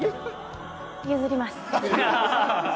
譲ります。